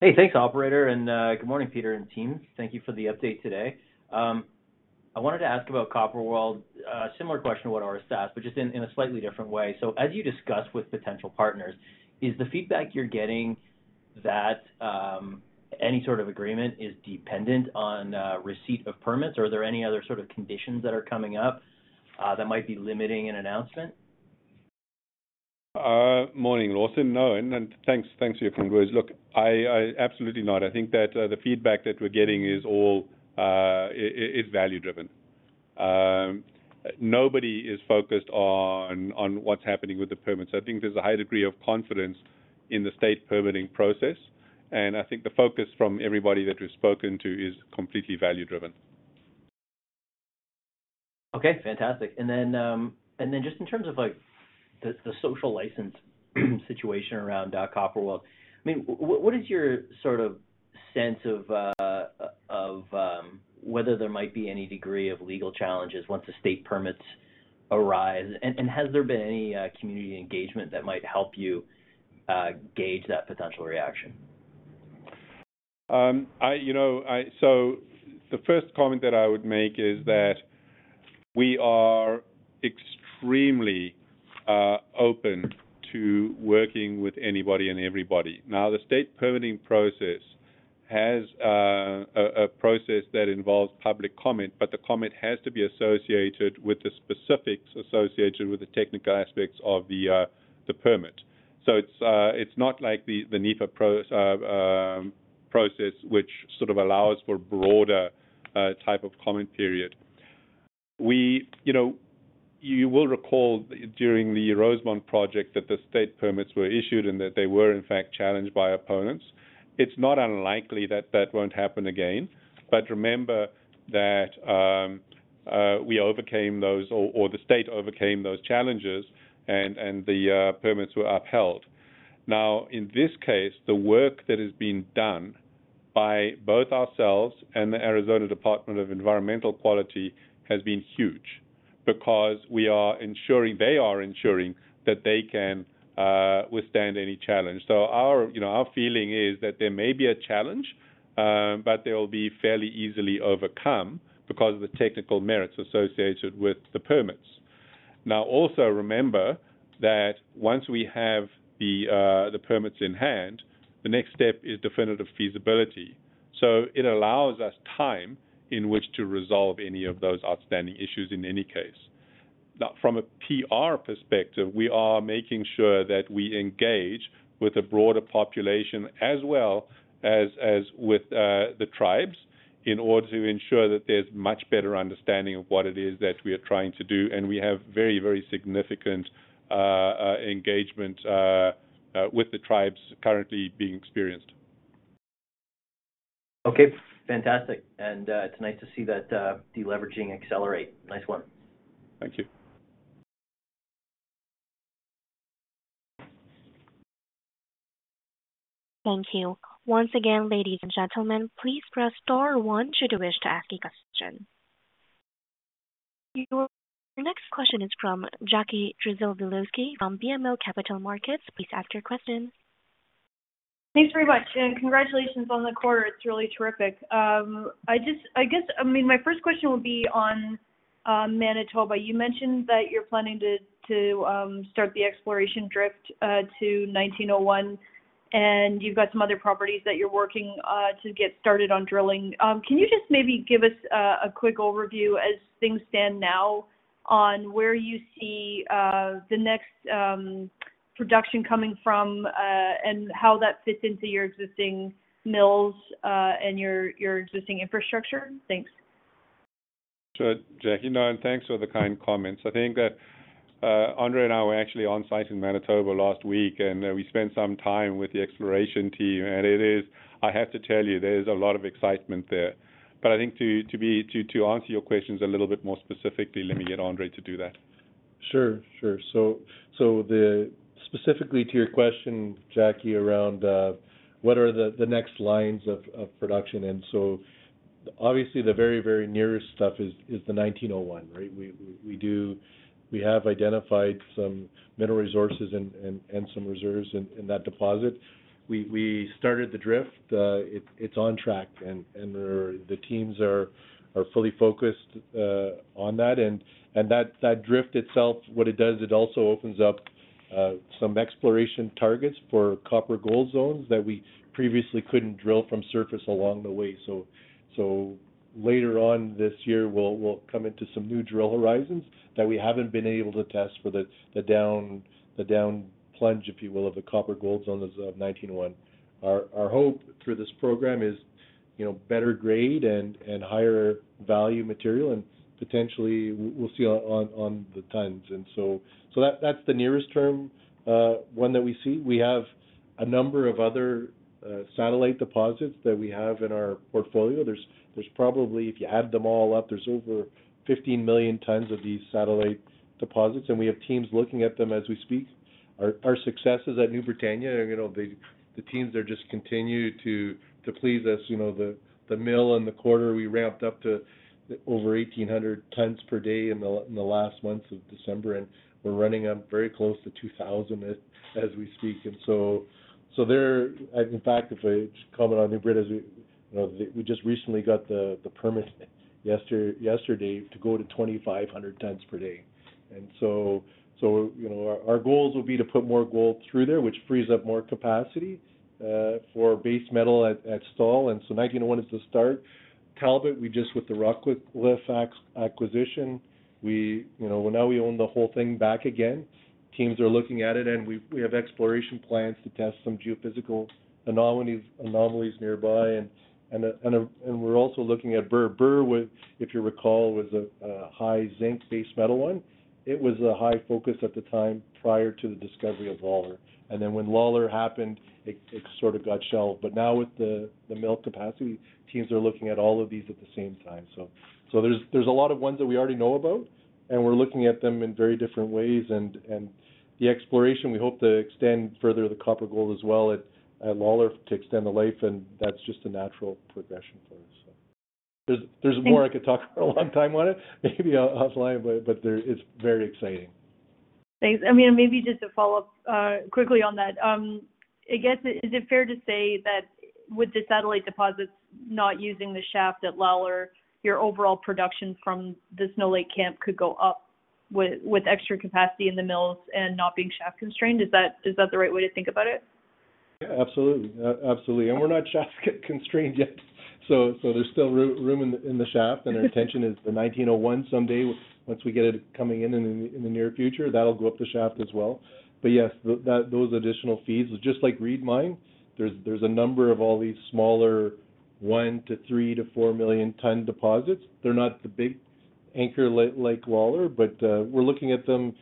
Speaker 8: Hey, thanks, Operator. Good morning, Peter and team. Thank you for the update today. I wanted to ask about Copper World. A similar question to what Orest asked, but just in a slightly different way. So as you discuss with potential partners, is the feedback you're getting that any sort of agreement is dependent on receipt of permits? Or are there any other sort of conditions that are coming up that might be limiting an announcement?
Speaker 3: Morning, Lawson. No, and thanks for your question. Look, absolutely not. I think that the feedback that we're getting is value-driven. Nobody is focused on what's happening with the permits. I think there's a high degree of confidence in the state permitting process. And I think the focus from everybody that we've spoken to is completely value-driven.
Speaker 8: Okay, fantastic. And then just in terms of the social license situation around Copper World, I mean, what is your sort of sense of whether there might be any degree of legal challenges once the state permits arise? And has there been any community engagement that might help you gauge that potential reaction?
Speaker 3: So the first comment that I would make is that we are extremely open to working with anybody and everybody. Now, the state permitting process has a process that involves public comment, but the comment has to be associated with the specifics associated with the technical aspects of the permit. So it's not like the NEPA process, which sort of allows for broader type of comment period. You will recall during the Rosemont project that the state permits were issued and that they were, in fact, challenged by opponents. It's not unlikely that that won't happen again. Remember that we overcame those or the state overcame those challenges, and the permits were upheld. Now, in this case, the work that has been done by both ourselves and the Arizona Department of Environmental Quality has been huge because we are ensuring they are ensuring that they can withstand any challenge. Our feeling is that there may be a challenge, but they will be fairly easily overcome because of the technical merits associated with the permits. Now, also remember that once we have the permits in hand, the next step is definitive feasibility. It allows us time in which to resolve any of those outstanding issues in any case. From a PR perspective, we are making sure that we engage with a broader population as well as with the tribes in order to ensure that there's much better understanding of what it is that we are trying to do. And we have very, very significant engagement with the tribes currently being experienced.
Speaker 8: Okay, fantastic. And it's nice to see that deleveraging accelerate. Nice one.
Speaker 3: Thank you.
Speaker 1: Thank you. Once again, ladies and gentlemen, please press star 1 should you wish to ask a question. Your next question is from Jackie Przybylowski from BMO Capital Markets. Please ask your question.
Speaker 9: Thanks very much. And congratulations on the quarter. It's really terrific. I guess, I mean, my first question will be on Manitoba. You mentioned that you're planning to start the exploration drift to 1901, and you've got some other properties that you're working to get started on drilling. Can you just maybe give us a quick overview, as things stand now, on where you see the next production coming from and how that fits into your existing mills and your existing infrastructure? Thanks.
Speaker 3: Sure, Jackie. No, and thanks for the kind comments. I think that André and I were actually on-site in Manitoba last week, and we spent some time with the exploration team. And I have to tell you, there's a lot of excitement there. But I think to answer your questions a little bit more specifically, let me get André to do that.
Speaker 7: Sure, sure. So specifically to your question, Jackie, around what are the next lines of production? And so obviously, the very, very nearest stuff is the 1901, right? We have identified some mineral resources and some reserves in that deposit. We started the drift. It's on track. The teams are fully focused on that. That drift itself, what it does, it also opens up some exploration targets for copper gold zones that we previously couldn't drill from surface along the way. Later on this year, we'll come into some new drill horizons that we haven't been able to test for the down plunge, if you will, of the copper gold zones of 1901. Our hope through this program is better grade and higher value material. And potentially, we'll see on the tons. That's the nearest term one that we see. We have a number of other satellite deposits that we have in our portfolio. There's probably, if you add them all up, over 15 million tons of these satellite deposits. And we have teams looking at them as we speak. Our successes at New Britannia, the teams there just continue to please us. The mill in the quarter, we ramped up to over 1,800 tons per day in the last months of December. We're running up very close to 2,000 as we speak. In fact, if I comment on New Britannia, we just recently got the permit yesterday to go to 2,500 tons per day. Our goals will be to put more gold through there, which frees up more capacity for base metal at Stall. 1901 is the start. Talbot, with the Rockcliff acquisition, now we own the whole thing back again. Teams are looking at it. We have exploration plans to test some geophysical anomalies nearby. We're also looking at Bur. Bur, if you recall, was a high zinc base metal one. It was a high focus at the time prior to the discovery of Lalor. Then when Lalor happened, it sort of got shelved. Now with the mill capacity, teams are looking at all of these at the same time. There's a lot of ones that we already know about, and we're looking at them in very different ways. The exploration, we hope to extend further the copper gold as well at Lalor to extend the life. That's just a natural progression for us. There's more I could talk for a long time on it, maybe offline. It's very exciting.
Speaker 9: Thanks. I mean, maybe just to follow up quickly on that, I guess, is it fair to say that with the satellite deposits not using the shaft at Lalor, your overall production from the Snow Lake Camp could go up with extra capacity in the mills and not being shaft-constrained? Is that the right way to think about it?
Speaker 7: Yeah, absolutely. Absolutely. And we're not shaft-constrained yet. So there's still room in the shaft. And our intention is the 1901 someday, once we get it coming in in the near future, that'll go up the shaft as well. But yes, those additional feeds, just like Reed Mine, there's a number of all these smaller 1 to 3 to 4 million-ton deposits. They're not the big anchor like Lalor. But we're looking at them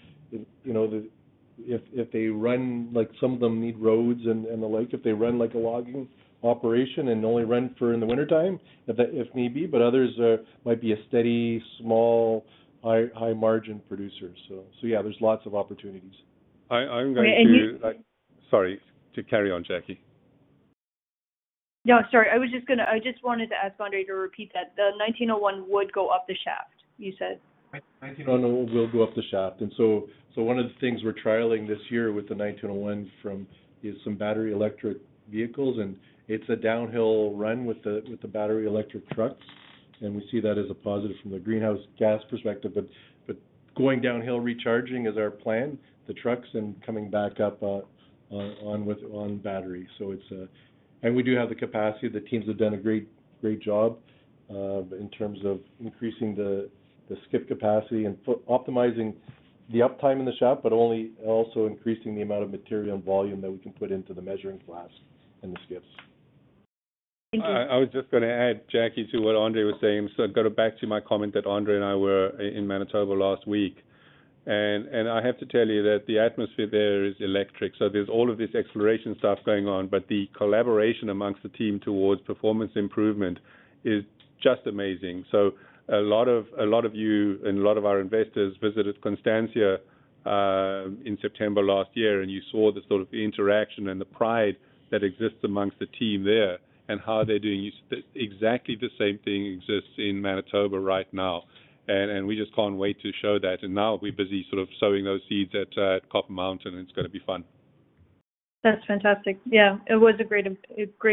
Speaker 7: if they run some of them need roads and the like. If they run like a logging operation and only run for in the wintertime, if need be. But others might be a steady, small, high-margin producer. So yeah, there's lots of opportunities.
Speaker 3: I'm going to—sorry, to carry on, Jackie.
Speaker 9: No, sorry. I was just going to—I just wanted to ask André to repeat that. The 1901 would go up the shaft, you said?
Speaker 7: 1901 will go up the shaft. So one of the things we're trialing this year with the 1901 is some battery electric vehicles. It's a downhill run with the battery electric trucks. We see that as a positive from the greenhouse gas perspective. But going downhill, recharging is our plan, the trucks, and coming back up on battery. We do have the capacity. The teams have done a great job in terms of increasing the skip capacity and optimizing the uptime in the shaft, but also increasing the amount of material and volume that we can put into the measuring flask and the skips.
Speaker 9: Thank you.
Speaker 3: I was just going to add, Jackie, to what André was saying. So going back to my comment that André and I were in Manitoba last week. And I have to tell you that the atmosphere there is electric. So there's all of this exploration stuff going on. But the collaboration among the team towards performance improvement is just amazing. So a lot of you and a lot of our investors visited Constancia in September last year. And you saw the sort of interaction and the pride that exists among the team there and how they're doing. Exactly the same thing exists in Manitoba right now. And we just can't wait to show that. And now we're busy sort of sowing those seeds at Copper Mountain. And it's going to be fun.
Speaker 9: That's fantastic. Yeah, it was a great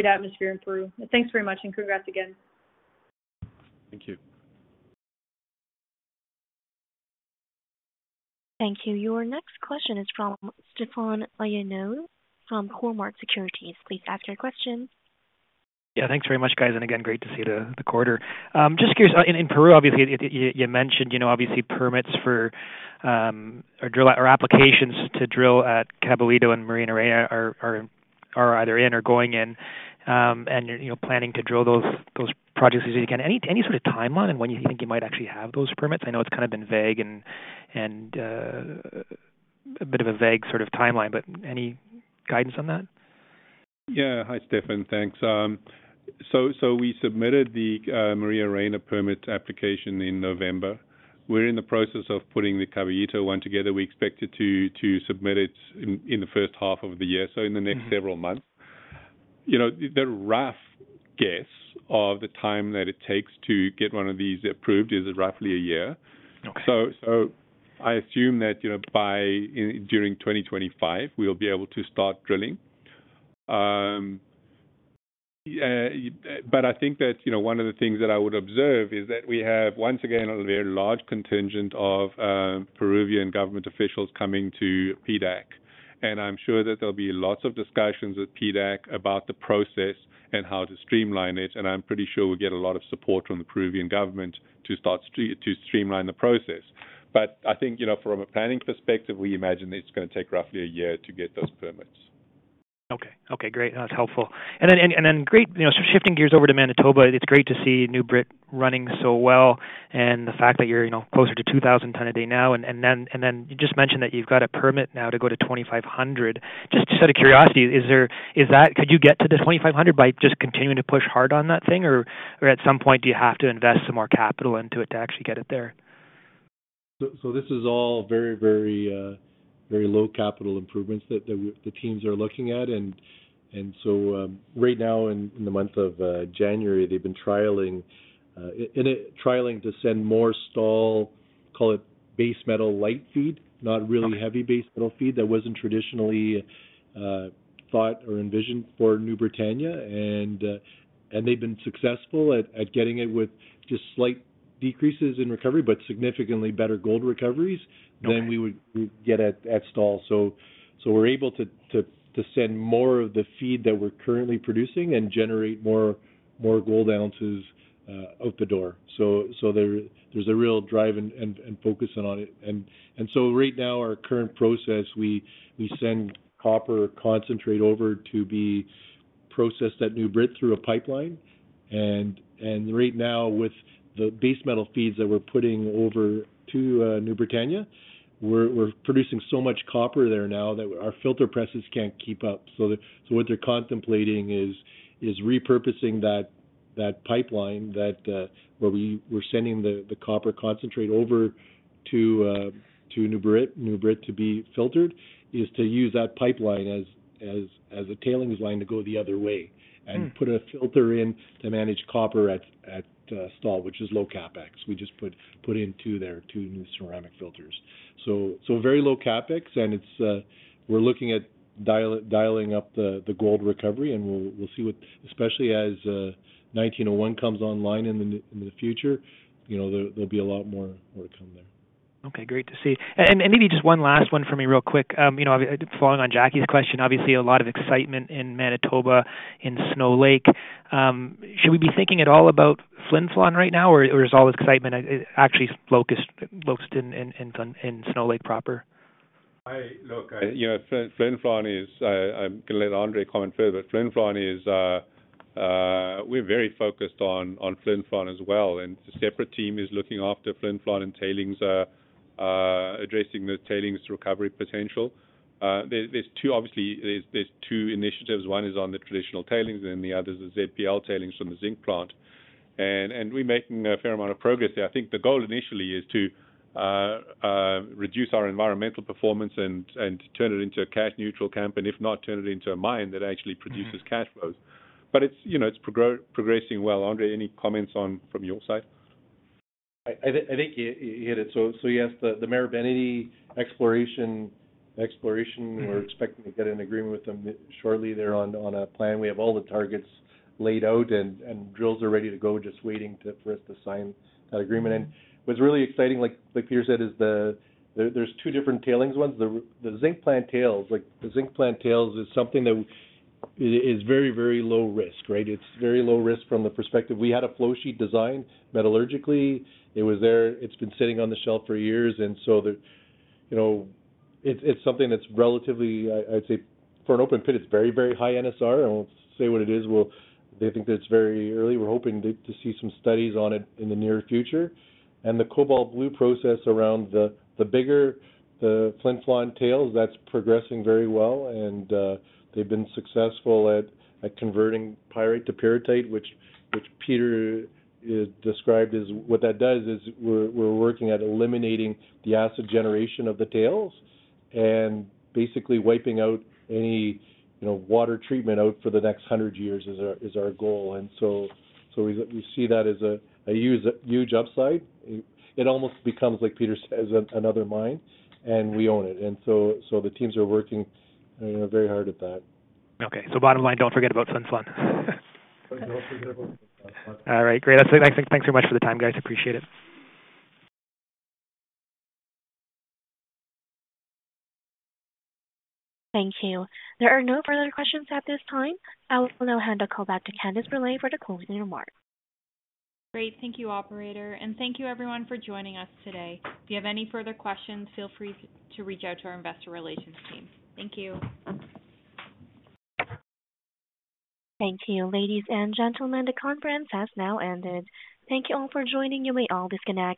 Speaker 9: atmosphere in Peru. Thanks very much. And congrats again.
Speaker 3: Thank you.
Speaker 1: Thank you. Your next question is from Stefan Ioannou from Cormark Securities. Please ask your question.
Speaker 10: Yeah, thanks very much, guys. And again, great to see the quarter. Just curious, in Peru, obviously, you mentioned obviously permits for or applications to drill at Caballito and Maria Reina are either in or going in. And you're planning to drill those projects as soon as you can. Any sort of timeline on when you think you might actually have those permits? I know it's kind of been vague and a bit of a vague sort of timeline. But any guidance on that?
Speaker 3: Yeah, hi, Stefan. Thanks. We submitted the Maria Reyna permit application in November. We're in the process of putting the Caballito one together. We expect it to submit it in the first half of the year, so in the next several months. The rough guess of the time that it takes to get one of these approved is roughly a year. I assume that during 2025, we'll be able to start drilling. But I think that one of the things that I would observe is that we have, once again, a very large contingent of Peruvian government officials coming to PDAC. I'm sure that there'll be lots of discussions at PDAC about the process and how to streamline it. I'm pretty sure we'll get a lot of support from the Peruvian government to start to streamline the process. But I think from a planning perspective, we imagine that it's going to take roughly a year to get those permits.
Speaker 10: Okay, okay, great. That's helpful. Great, shifting gears over to Manitoba, it's great to see New Brit running so well and the fact that you're closer to 2,000 tons a day now. And then you just mentioned that you've got a permit now to go to 2,500. Just out of curiosity, could you get to the 2,500 by just continuing to push hard on that thing? Or at some point, do you have to invest some more capital into it to actually get it there?
Speaker 3: So this is all very, very low-capital improvements that the teams are looking at. Right now, in the month of January, they've been trialing to send more Stall, call it base metal light feed, not really heavy base metal feed that wasn't traditionally thought or envisioned for New Britannia. They've been successful at getting it with just slight decreases in recovery but significantly better gold recoveries than we would get at Stall. We're able to send more of the feed that we're currently producing and generate more gold ounces out the door. There's a real drive and focus on it. Right now, our current process, we send copper concentrate over to be processed at New Brit through a pipeline. Right now, with the base metal feeds that we're putting over to New Britannia, we're producing so much copper there now that our filter presses can't keep up. So what they're contemplating is repurposing that pipeline where we're sending the copper concentrate over to New Brit to be filtered is to use that pipeline as a tailings line to go the other way and put a filter in to manage copper at Stall, which is low CapEx. We just put in two there, two new ceramic filters. So very low CapEx. And we're looking at dialing up the gold recovery. And we'll see what, especially as 1901 comes online in the future, there'll be a lot more to come there.
Speaker 10: Okay, great to see. And maybe just one last one for me real quick. Following on Jackie's question, obviously, a lot of excitement in Manitoba, in Snow Lake. Should we be thinking at all about Flin Flon right now? Or is all this excitement actually focused in Snow Lake proper?
Speaker 3: Look. Flon is. I'm going to let André comment further. But Flin Flon is. We're very focused on Flin Flon as well. A separate team is looking after Flin Flon and addressing the tailings recovery potential. Obviously, there's two initiatives. One is on the traditional tailings. And then the other is the ZPL tailings from the zinc plant. And we're making a fair amount of progress there. I think the goal initially is to reduce our environmental performance and turn it into a cash-neutral camp and, if not, turn it into a mine that actually produces cash flows. But it's progressing well. André, any comments from your side?
Speaker 7: I think you hit it. So yes, the Marubeni exploration, we're expecting to get an agreement with them shortly. They're on a plan. We have all the targets laid out. And drills are ready to go, just waiting for us to sign that agreement. What's really exciting, like Peter said, is there's two different tailings ones. The zinc plant tails, the zinc plant tails is something that is very, very low risk, right? It's very low risk from the perspective we had a flow sheet designed metallurgically. It was there. It's been sitting on the shelf for years. And so it's something that's relatively, I'd say, for an open pit, it's very, very high NSR. I won't say what it is. They think that it's very early. We're hoping to see some studies on it in the near future. And the Cobalt Blue Process around the bigger Flin Flon tails, that's progressing very well. And they've been successful at converting pyrite to pyrrhotite, which Peter described as what that does is we're working at eliminating the acid generation of the tails and basically wiping out any water treatment out for the next 100 years is our goal. And so we see that as a huge upside. It almost becomes, like Peter says, another mine. And we own it. And so the teams are working very hard at that.
Speaker 10: Okay, so bottom line, don't forget about Flin Flon.
Speaker 7: Don't forget about Flin Flon.
Speaker 10: All right, great. Thanks very much for the time, guys. Appreciate it.
Speaker 1: Thank you. There are no further questions at this time. I will now hand the call back to Candace Brule for the closing remarks.
Speaker 2: Great. Thank you, operator. And thank you, everyone, for joining us today. If you have any further questions, feel free to reach out to our investor relations team.
Speaker 1: Thank you. Thank you, ladies and gentlemen. The conference has now ended. Thank you all for joining. You may all disconnect.